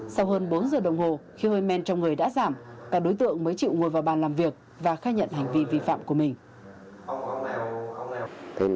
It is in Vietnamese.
sau hơn bốn giờ đồng hồ khi hơi men trong người đã giảm cả đối tượng mới chịu ngồi vào bàn làm việc và khai nhận hành vi vi phạm của mình